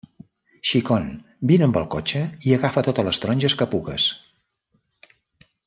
Xicon, vine amb el cotxe i agafa totes les taronges que pugues.